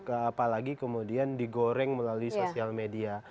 apalagi kemudian digoreng melalui sosial media